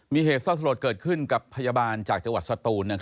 มีเหตุเศร้าสลดเกิดขึ้นกับพยาบาลจากจังหวัดสตูน